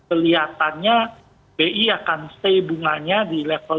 kelihatannya bi akan stay bunganya di level lima ratus tujuh puluh lima